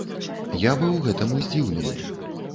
Я быў гэтаму здзіўлены.